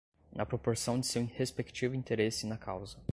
na proporção de seu respectivo interesse na causa